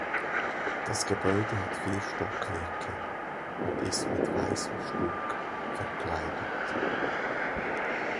Das Gebäude hat vier Stockwerke und ist mit weißem Stuck verkleidet.